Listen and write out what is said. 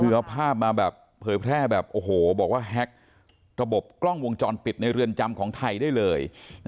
คือเอาภาพมาแบบเผยแพร่แบบโอ้โหบอกว่าแฮ็กระบบกล้องวงจรปิดในเรือนจำของไทยได้เลย